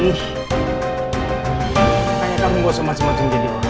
kayaknya kamu buat semacam macam jadi orang